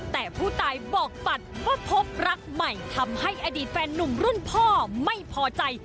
แต่ผู้ตายบอกปัดว่าพบรักใหม่ทำให้อดีตแฟนนุ่มรุ่นพ่อไม่พอใจ